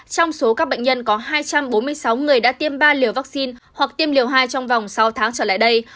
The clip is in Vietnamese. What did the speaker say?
trong số các bệnh nhân có hai trăm bốn mươi sáu người đã tiêm ba liều vaccine hoặc tiêm liều hai trong vòng sáu tháng trở lại đây